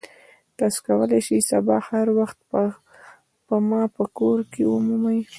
تاسو کولی شئ سبا هر وخت ما په کور کې ومومئ